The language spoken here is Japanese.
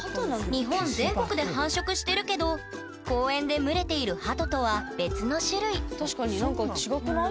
日本全国で繁殖してるけど公園で群れているハトとは別の種類確かになんか違くない？